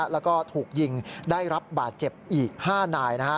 แล้วก็ถูกยิงได้รับบาดเจ็บอีก๕นาย